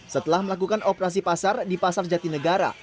setelah melakukan operasi pasar di pasar jatinegara